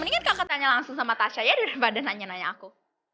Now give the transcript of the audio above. mendingan kakak nanya langsung sama tasha ya daripada nanya nanya aku